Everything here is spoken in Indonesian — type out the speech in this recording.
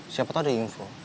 siapa tau ada info